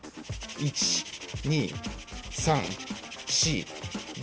１・２・３・４・５。